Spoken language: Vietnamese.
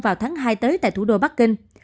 vào tháng hai tới tại thủ đô bắc kinh